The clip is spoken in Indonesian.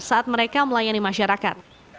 saat mereka melayani masyarakat